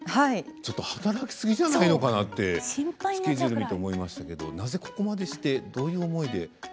ちょっと働きすぎじゃないのかなってスケジュール見て思いましたけどなぜここまでしてどういう思いで。